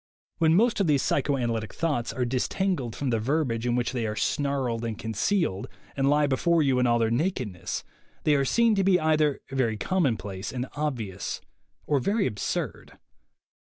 When most of these psychoanalytic thoughts are disentangled from the verbiage in which they are snarled and concealed, and lie be fore you in all their nakedness, they are seen to be either very commonplace and obvious, or very ab surd.